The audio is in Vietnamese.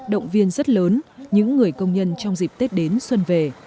động viên rất lớn những người công nhân trong dịp tết đến xuân về